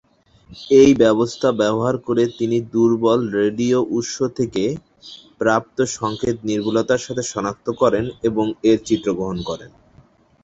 এই ব্যবস্থা ব্যবহার করে তিনি দুর্বল রেডিও উৎস থেকে প্রাপ্ত সংকেত নির্ভুলতার সাথে সনাক্ত করেন এবং এর চিত্র গ্রহণ করেন।